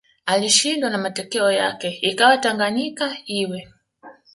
alishindwa na matokeo yake ikawa Tanganyika iwe